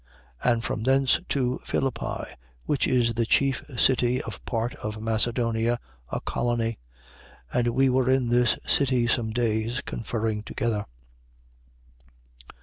16:12. And from thence to Philippi, which is the chief city of part of Macedonia, a colony. And we were in this city some days conferring together.